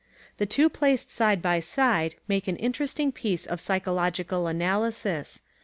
The two placed side by side make an interesting piece of psychological analysis.